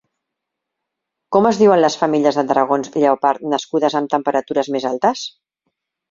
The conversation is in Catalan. Com es diuen les femelles de dragons lleopard nascudes amb temperatures més altes?